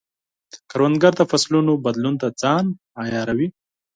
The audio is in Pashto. کروندګر د فصلونو بدلون ته ځان عیاروي